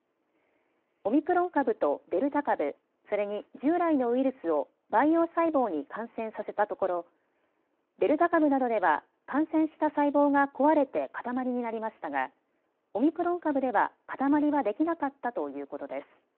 オミクロン株とデルタ株、それに従来のウイルスを培養細胞に感染させたところデルタ株などでは感染した細胞が壊れて塊になりましたがオミクロン株では塊はできなかったということです。